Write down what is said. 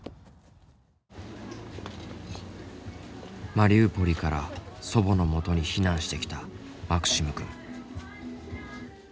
マリウポリから祖母のもとに避難してきたマクシムくん。